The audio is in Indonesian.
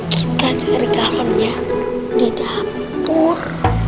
kita cari kalennya di dapur